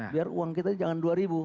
biar uang kita jangan dua ribu